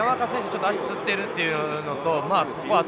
ちょっと足をつってるというのとまあ